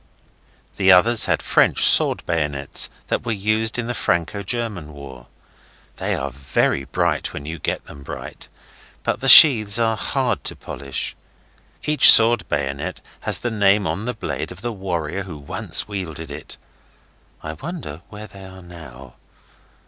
The others had French sword bayonets that were used in the Franco German war. They are very bright when you get them bright, but the sheaths are hard to polish. Each sword bayonet has the name on the blade of the warrior who once wielded it. I wonder where they are now.